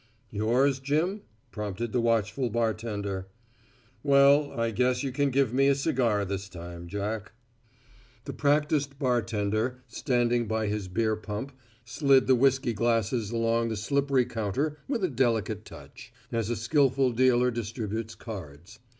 "Yours, Jim?" prompted the watchful bartender. "Well I guess you can give me a cigar this time, Jack." The practiced bartender, standing by his beer pump, slid the whisky glasses along the slippery counter with a delicate touch, as a skillful dealer distributes cards.